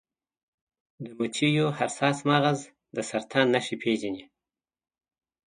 د مچیو حساس مغز د سرطان نښې پیژني.